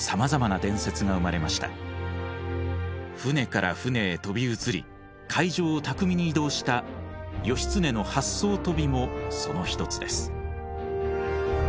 舟から舟へ飛び移り海上を巧みに移動した義経の八艘飛びもその一つです。